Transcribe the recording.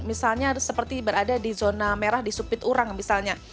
misalnya seperti berada di zona merah di supit urang misalnya